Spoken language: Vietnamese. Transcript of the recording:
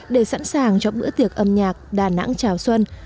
để sẵn sàng cho bữa tiệc âm nhạc đà nẵng chào xuân